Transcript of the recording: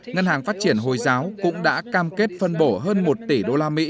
ngân hàng phát triển hồi giáo cũng đã cam kết phân bổ hơn một tỷ đô la mỹ